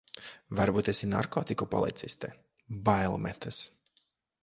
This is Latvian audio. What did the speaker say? Varbūt esi narkotiku policiste, bail metas.